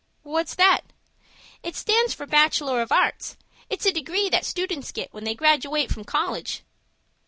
"What's that?" "It stands for Bachelor of Arts. It's a degree that students get when they graduate from college."